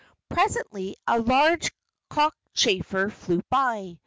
Presently a large cockchafer flew by.